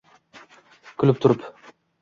Kulib turib